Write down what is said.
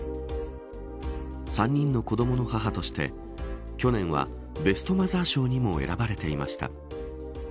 ３人の子どもの母として去年はベストマザー賞にも選ばれていました。